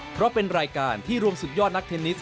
เพราะเป็นรายการที่รวมสุดยอดนักเทนนิส